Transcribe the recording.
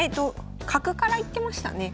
角から行ってましたね